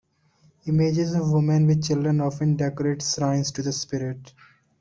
Images of women with children often decorate shrines to the spirit.